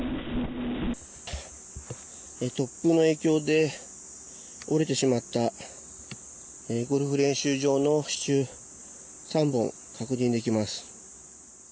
突風の影響で折れてしまったゴルフ練習場の支柱３本確認できます。